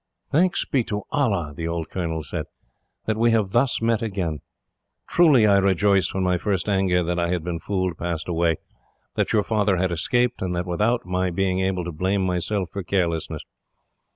"Thanks be to Allah," the old colonel said, "that we have thus met again! Truly I rejoiced, when my first anger that I had been fooled passed away, that your father had escaped, and that without my being able to blame myself for carelessness.